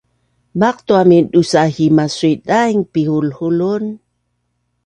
Maqtu amin dusa hima sui-daing pinhulhulun